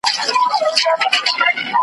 خره په خیال کی د شنېلیو نندارې کړې .